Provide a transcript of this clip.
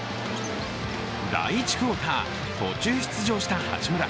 第１クオーター、途中出場した八村。